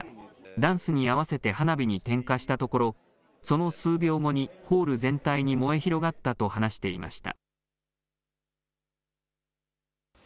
ダンスに合わせて花火に点火したところその数秒後にホール全体に燃え広がったと話していました。